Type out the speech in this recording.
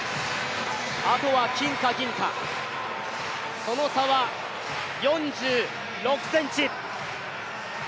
あとは金か銀か、その差は４６ｃｍ。